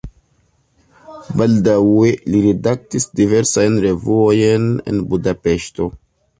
Baldaŭe li redaktis diversajn revuojn en Budapeŝto.